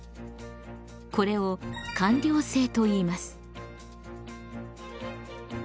これを官僚制といいます。